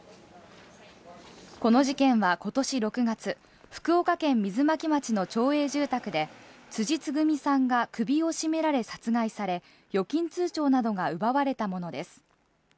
この事件はことし６月、福岡県水巻町の町営住宅で、辻つぐみさんが首を絞められ殺害され、預金通帳などが奪われたものです。